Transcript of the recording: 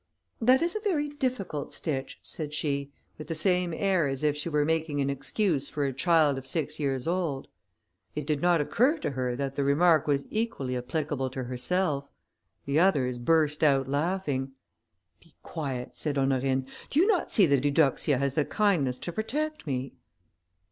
"That is a very difficult stitch," said she, with the same air as if she were making an excuse for a child of six years old. It did not occur to her that the remark was equally applicable to herself. The others burst out laughing. "Be quiet," said Honorine, "do you not see that Eudoxia has the kindness to protect me?"